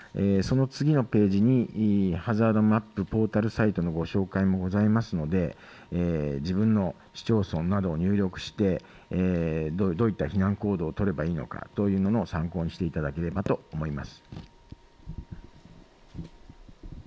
その次のページにハザードマップポータルサイトのご紹介もございますので自分の市町村などを入力してどういった避難行動を取ればいいのかというのを参考にしていただければと思います。